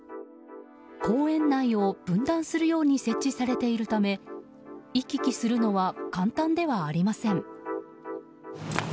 公園内を分断するように設置されているため行き来するのは簡単ではありません。